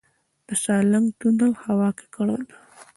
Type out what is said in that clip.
د سالنګ تونل هوا ککړه ده